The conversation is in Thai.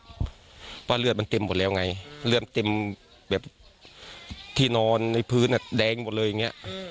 เพราะว่าเลือดมันเต็มหมดแล้วไงเลือดเต็มแบบที่นอนในพื้นแดงหมดเลยอย่างนี้